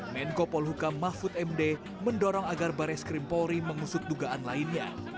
menko polhukam mahfud md mendorong agar baris krim polri mengusut dugaan lainnya